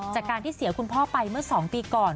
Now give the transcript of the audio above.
จากการที่เสียคุณพ่อไปเมื่อ๒ปีก่อน